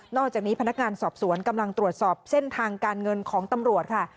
อกจากนี้พนักงานสอบสวนกำลังตรวจสอบเส้นทางการเงินของตำรวจค่ะ